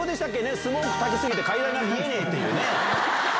スモークたき過ぎて、階段が見えないっていうね。